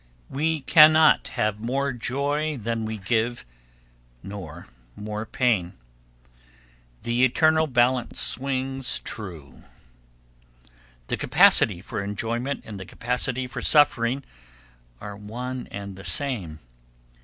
We cannot have more joy than we give nor more pain. The eternal balance swings true. The capacity for enjoyment and the capacity for suffering are one and the same.